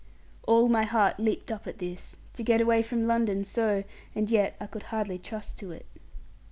All my heart leaped up at this, to get away from London so: and yet I could hardly trust to it.